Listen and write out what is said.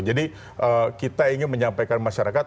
jadi kita ingin menyampaikan masyarakat